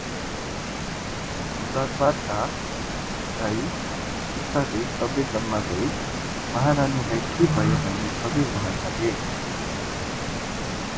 दरबारका धाई सुसारे सबै जम्मा भई महारानीलाई के भयो भनी सबै रुन थाले ।